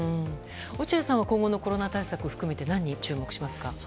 落合さんは今後のコロナ対策含め何に注目しますか？